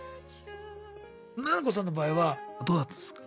ななこさんの場合はどうだったんですか？